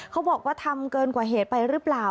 เขาบอกว่าทำเกินกว่าเหตุไปหรือเปล่า